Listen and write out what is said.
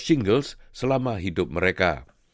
shingles selama hidup mereka